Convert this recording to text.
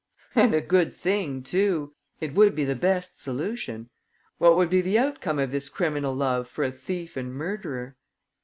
"And a good thing too! It would be the best solution. What would be the outcome of this criminal love for a thief and murderer?"